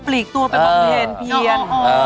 ลีกตัวไปบำเพ็ญเพียน